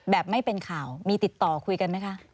แบบไม่เป็นข่าวมีติดต่อคุยกันไหมคะ